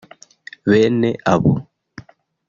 “Bene abo